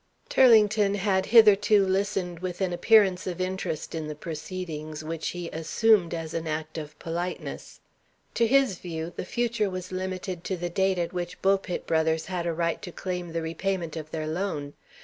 Turlington had hitherto listened with an appearance of interest in the proceedings, which he assumed as an act of politeness. To his view, the future was limited to the date at which Bulpit Brothers had a right to claim the repayment of their loan.